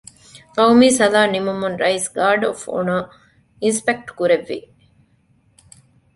ޤައުމީ ސަލާމް ނިމުމުން ރައީސް ގާރޑް އޮފް އޮނަރ އިންސްޕެކްޓް ކުރެއްވި